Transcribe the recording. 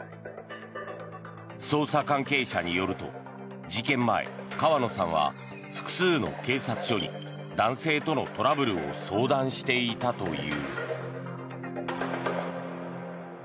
捜査関係者によると事件前、川野さんは複数の警察署に男性とのトラブルを相談していたという。